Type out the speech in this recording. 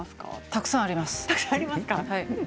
たくさんあります。